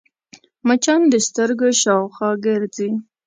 مچان د سترګو شاوخوا ګرځي